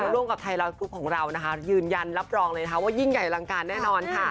ร่วมกับไทยรัฐกรุ๊ปของเรานะคะยืนยันรับรองเลยนะคะว่ายิ่งใหญ่อลังการแน่นอนค่ะ